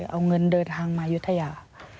เอาเงินเดินทางมายุธยา